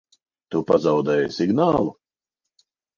Tu pazaudēji signālu?